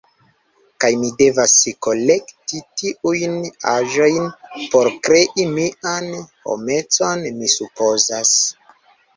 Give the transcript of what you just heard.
Kaj mi devas kolekti tiujn aĵojn por krei mian homecon, mi supozas.